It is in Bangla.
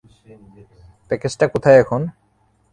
প্যাকেজটা কোথায় এখন?